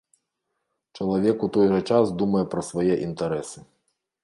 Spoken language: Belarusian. Чалавек у той жа час думае пра свае інтарэсы.